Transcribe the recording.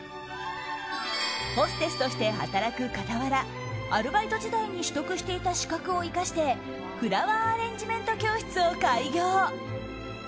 ホステスとして働く傍らアルバイト時代に取得していた資格を生かしてフラワーアレンジメント教室を開業。